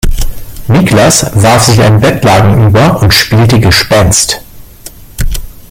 Niklas warf sich ein Bettlaken über und spielte Gespenst.